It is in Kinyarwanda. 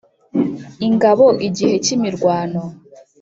ingabo igihe k’imirwano